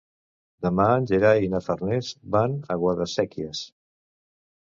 Demà en Gerai i na Farners van a Guadasséquies.